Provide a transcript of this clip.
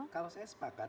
kalau saya sepakat